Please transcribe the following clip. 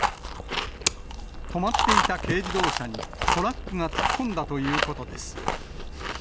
止まっていた軽自動車に、トラックが突っ込んだということです。